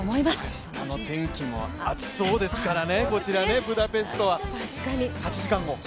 明日の天気も暑そうですからね、こちらブダペストは。